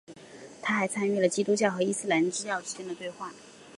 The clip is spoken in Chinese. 他还参与了基督教和伊斯兰教之间的对话。